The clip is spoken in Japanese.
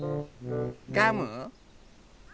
ガム？